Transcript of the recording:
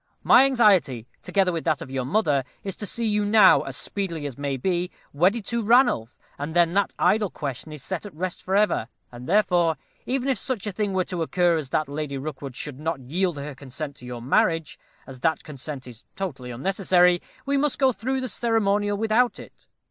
My anxiety, together with that of your mother, is to see you now, as speedily as may be, wedded to Ranulph, and then that idle question is set at rest for ever; and therefore, even if such a thing were to occur as that Lady Rookwood should not yield her consent to your marriage, as that consent is totally unnecessary, we must go through the ceremonial without it."